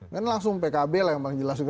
kan langsung pkb lah yang paling jelas juga